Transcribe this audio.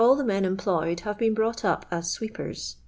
the men employed hare been brought up ai swec|»eri.